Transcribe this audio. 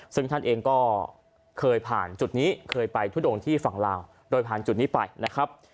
ซึ่งท่านเองก็เคยผ่านจุดนี้เคยไปทุดงที่ฝั่งลาวโดยผ่านจุดนี้ไปนะครับ